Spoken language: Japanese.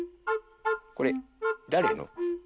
これだれの？